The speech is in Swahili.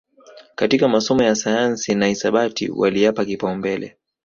katika masomo ya sayansi na hisabati waliyapa kipaumbele